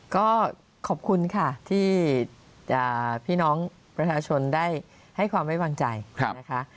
ก็ขอบคุณค่ะที่พี่น้องประชาชนได้ให้ความไว้วางใจนะคะ